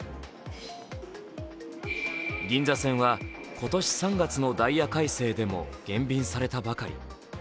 銀座線は今年３月のダイヤ改正でも減便されたばかり。